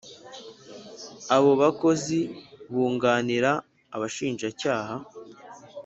Abo bakozi bunganira Abashinjacyaha